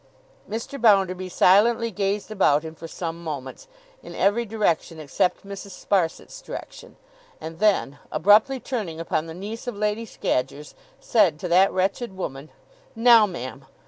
Mr. Bounderby silently gazed about him for some moments, in every direction except Mrs. Sparsit's direction; and then, abruptly turning upon the niece of Lady Scadgers, said to that wretched woman: 'Now, ma'am!